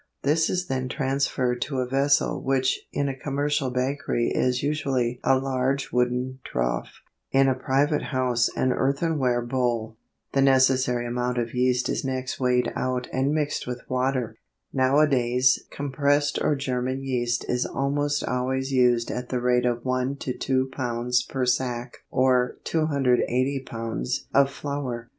This is then transferred to a vessel which in a commercial bakery is usually a large wooden trough, in a private house an earthenware bowl. The necessary amount of yeast is next weighed out and mixed with water. Nowadays compressed or German yeast is almost always used at the rate of 1 to 2 lbs. per sack or 280 lbs. of flour.